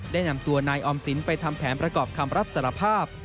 ได้นำตัวนายออมสินไปทำแผนประกอบคำรับสารภาพ